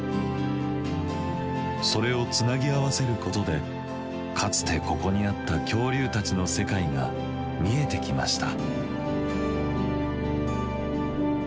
それをつなぎ合わせることでかつてここにあった恐竜たちの世界が見えてきました。